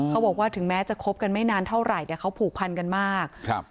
เขาบอกว่าถึงแม้จะคบกันไม่นานเท่าไหร่แต่เขาผูกพันกันมากครับ